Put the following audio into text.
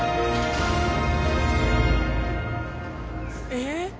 えっ？